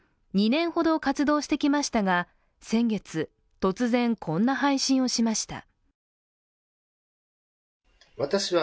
２年ほど活動してきましたが先月、突然、こんな配信をしました。